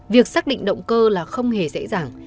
việc xác định động cơ là không hề dễ dàng